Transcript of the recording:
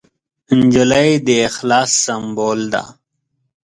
نجلۍ د اخلاص سمبول ده.